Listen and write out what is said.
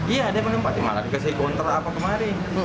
iya dia menghempati malah dikasih kontras apa kemarin